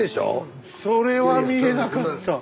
それは見えなかった。